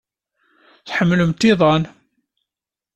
Tḥemmlemt iḍan?